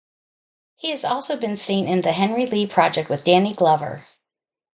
He has also been seen in "The Henry Lee Project" with Danny Glover.